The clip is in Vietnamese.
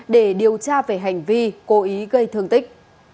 để điều tra về hành vi cố ý gây thương tích